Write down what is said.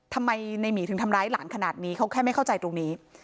ทำไมในหมีถึงทำร้ายหลานขนาดนี้เขาแค่ไม่เข้าใจตรงนี้